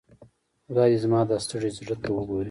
خدای دي زما دا ستړي زړۀ ته وګوري.